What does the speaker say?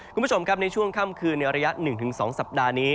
คุณผู้ชมครับในช่วงค่ำคืนในระยะ๑๒สัปดาห์นี้